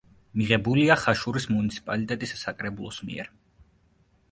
მიღებულია ხაშურის მუნიციპალიტეტის საკრებულოს მიერ.